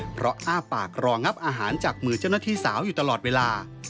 เพราะอ้าปากรองับอาหารจากมือเจ้าหน้าที่สาวอยู่ตลอดเวลา